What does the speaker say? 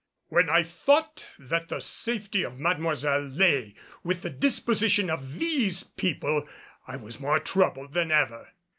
When I thought that the safety of Mademoiselle lay with the disposition of these people I was more troubled than ever.